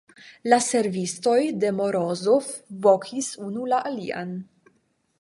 La servistoj de Morozov vokis unu la alian.